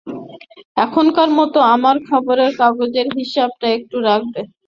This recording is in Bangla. এখনকার মতো তোমার খবরের কাগজের হিসাবটা একটু রাখবে!